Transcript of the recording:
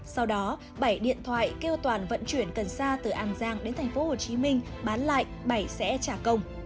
sau đó bảy điện thoại kêu toàn vận chuyển cần sa từ an giang đến tp hcm bán lại bảy sẽ trả công